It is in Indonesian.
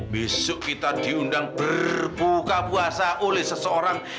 besok kita diundang berbuka puasa oleh seseorang